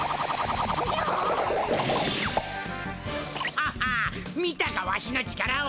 ハッハ見たかワシの力を！